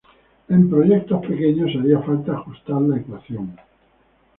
En proyectos pequeños haría falta ajustar la ecuación.